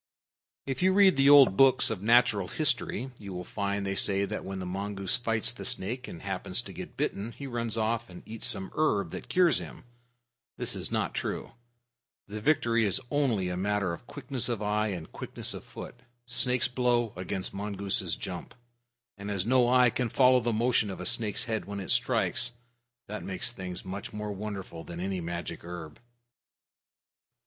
If you read the old books of natural history, you will find they say that when the mongoose fights the snake and happens to get bitten, he runs off and eats some herb that cures him. That is not true. The victory is only a matter of quickness of eye and quickness of foot snake's blow against mongoose's jump and as no eye can follow the motion of a snake's head when it strikes, this makes things much more wonderful than any magic herb.